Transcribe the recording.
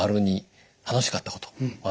②「楽しかったこと」